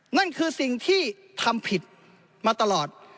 นั่นคือสิ่งที่ทำผิดมาตลอด